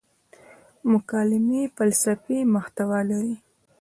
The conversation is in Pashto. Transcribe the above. مکالمې فلسفي محتوا لري.